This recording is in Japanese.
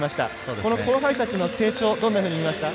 この後輩たちの成長、どんなふうに見ました？